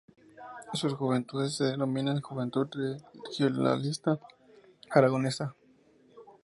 Sus juventudes se denominaban Juventud Regionalista Aragonesa.